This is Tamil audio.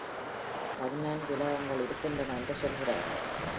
பதினான்கு உலகங்கள் இருக்கின்றன என்று சொல்கிறார்கள்.